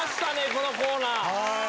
このコーナー。